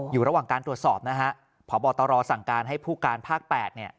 อยู่ระหว่างการตรวจสอบนะฮะพบตรสั่งการให้ผู้การภาค๘เนี่ย